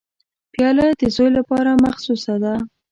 پیاله د زوی لپاره مخصوصه ده.